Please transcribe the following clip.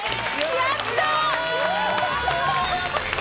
やった！